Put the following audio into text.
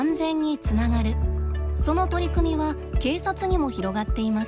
その取り組みは警察にも広がっています。